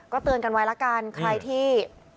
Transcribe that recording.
เตือนกันไว้ละกันใครที่